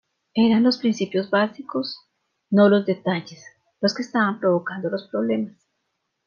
Eran los principios básicos, no los detalles, los que estaban provocando los problemas.